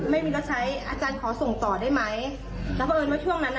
ไม่มีรถใช้อาจารย์ขอส่งต่อได้ไหมแล้วเพราะเอิญว่าช่วงนั้นอ่ะ